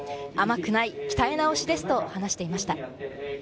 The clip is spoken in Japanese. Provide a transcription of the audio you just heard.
甘くない、鍛え直しですと話していました。